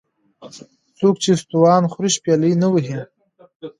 ـ څوک چې ستوان خوري شپېلۍ نه وهي .